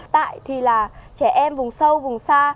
tại thì là trẻ em vùng sâu vùng xa